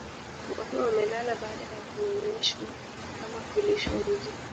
Wakiwa wamelala baada ya kunyonyeshwa ama kulishwa uji